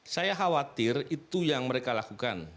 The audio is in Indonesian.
saya khawatir itu yang mereka lakukan